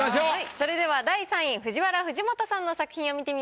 それでは第３位ＦＵＪＩＷＡＲＡ藤本さんの作品を見てみましょう。